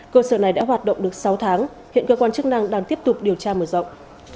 cơ sở này đã hoạt động được sáu tháng hiện cơ quan chức năng đang tiếp tục điều tra mở rộng